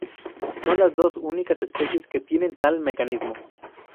Son las dos únicas especies que tienen tal mecanismo.